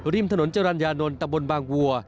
ริมถนนจรรยานนท์ตะบนบางวัว